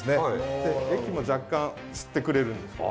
液も若干吸ってくれるんです。